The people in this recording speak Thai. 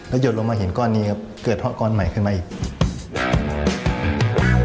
แล้วหยดลงมาเห็นก้อนนี้เกิดห้อก้อนใหม่ขึ้นมาอีก